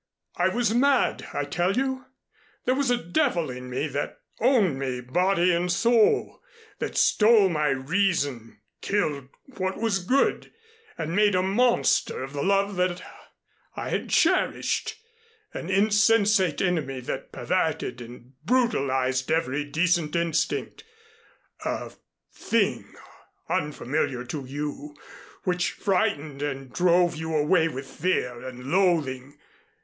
I was mad, I tell you. There was a devil in me, that owned me body and soul, that stole my reason, killed what was good, and made a monster of the love I had cherished an insensate enemy that perverted and brutalized every decent instinct, a Thing unfamiliar to you which frightened and drove you away in fear and loathing.